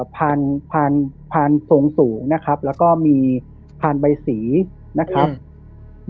พันพันพันสูงสูงนะครับแล้วก็มีพันใบสีนะครับอืม